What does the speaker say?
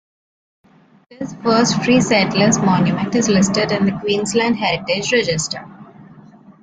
This First Free Settlers Monument is listed in the Queensland Heritage Register.